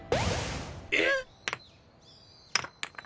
えっ？